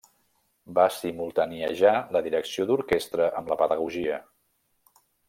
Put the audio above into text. Va simultaniejar la direcció d'orquestra amb la pedagogia.